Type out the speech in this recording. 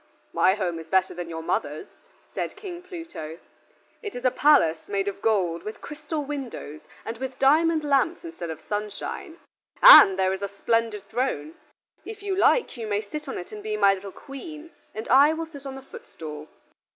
"My home is better than your mother's," said King Pluto. "It is a palace made of gold, with crystal windows and with diamond lamps instead of sunshine; and there is a splendid throne; if you like you may sit on it and be my little Queen, and I will sit on the footstool."